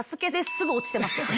すぐ落ちてましたよ。